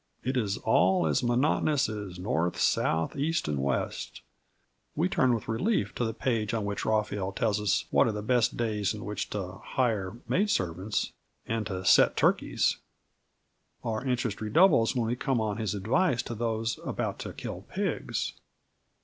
It is all as monotonous as North, South, East and West. We turn with relief to the page on which Raphael tells us what are the best days on which to hire maidservants and to set turkeys. Our interest redoubles when we come on his advice to those about to kill pigs.